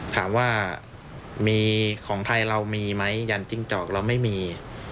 ถามว่ามีของไทยเรามีไหมยันจิ้งจอกเราไม่มี